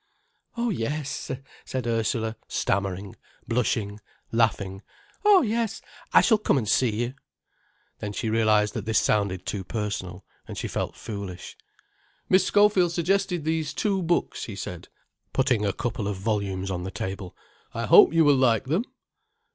"Oh, yes," said Ursula, stammering, blushing, laughing. "Oh, yes, I shall come and see you." Then she realized that this sounded too personal, and she felt foolish. "Miss Schofield suggested these two books," he said, putting a couple of volumes on the table: "I hope you will like them."